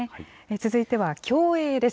続いては、競泳です。